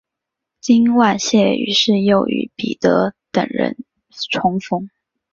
金万燮于是又与彼得等人重逢。